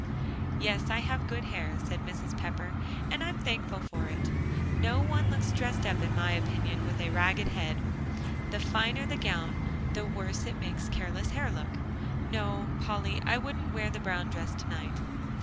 "Yes, I have good hair," said Mrs. Pepper, "and I'm thankful for it. No one looks dressed up, in my opinion, with a ragged head. The finer the gown, the worse it makes careless hair look. No, Polly, I wouldn't wear the brown dress to night."